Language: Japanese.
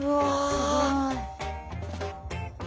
すごい！